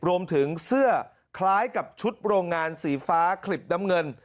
รวมถึงเสื้อคล้ายกับชุดโรงงานสีฟ้าคลิบน้ำเงิน